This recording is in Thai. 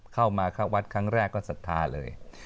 เข้ามาเข้าวัดครั้งแรกก็ศรัทธาเลย